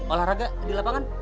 olahraga di lapangan